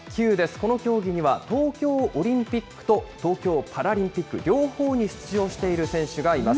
この競技には、東京オリンピックと東京パラリンピック両方に出場している選手がいます。